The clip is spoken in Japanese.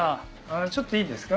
ちょっといいですか？